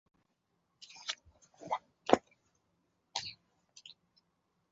铃木顶苞藓为锦藓科顶苞藓属下的一个种。